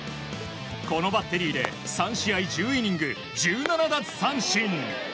このバッテリーで３試合１０イニング１７奪三振。